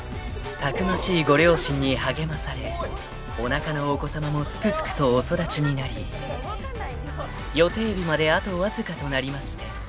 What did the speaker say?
［たくましいご両親に励まされおなかのお子さまもすくすくとお育ちになり予定日まであとわずかとなりまして］